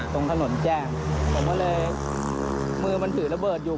ตรงถนนแจ้งผมก็เลยมือมันถือระเบิดอยู่